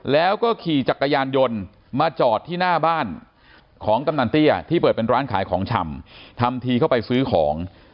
แล้วก็ขี่จักรยานยนต์มาจอดที่หน้าบ้านของกำนันเตี้ยที่เปิดเป็นร้านขายของชำทำทีเข้าไปซื้อของ